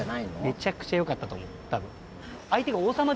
めちゃくちゃ良かったと思うたぶん。